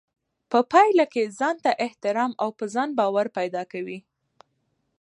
په پايله کې ځانته احترام او په ځان باور پيدا کوي.